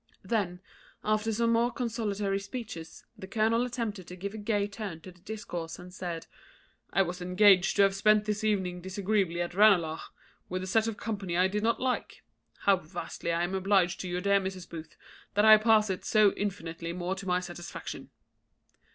Then, after some more consolatory speeches, the colonel attempted to give a gay turn to the discourse, and said, "I was engaged to have spent this evening disagreeably at Ranelagh, with a set of company I did not like. How vastly am I obliged to you, dear Mrs. Booth, that I pass it so infinitely more to my satisfaction!"